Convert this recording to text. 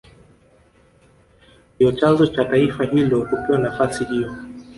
Ndio chanzo cha taifa hilo kupewa nafasi hiyo